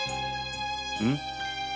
うん？